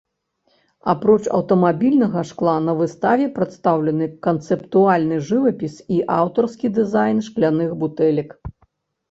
Апроч аўтамабільнага шкла, на выставе прадстаўлены канцэптуальны жывапіс і аўтарскі дызайн шкляных бутэлек.